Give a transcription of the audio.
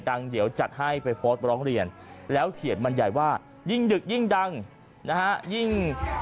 ดังเดี๋ยวจัดให้ไปโพสต์ร้องเรียนแล้วเขียนบรรยายว่ายิ่งดึกยิ่งดังนะฮะยิ่ง